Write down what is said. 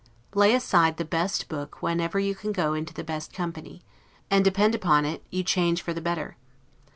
Lay aside the best book whenever you can go into the best company; and depend upon it, you change for the better.